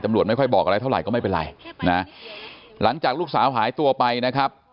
ไม่ค่อยบอกอะไรเท่าไหร่ก็ไม่เป็นไรนะหลังจากลูกสาวหายตัวไปนะครับ